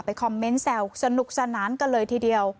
คอมเมนต์แซวสนุกสนานกันเลยทีเดียว